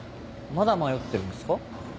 まだ迷ってるんですか？